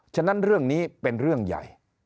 ฉะนั้นเรื่องนี้เป็นเรื่องใหญ่